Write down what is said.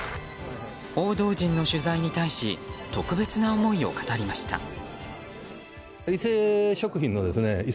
報道陣の取材に対し特別な思いを語りました。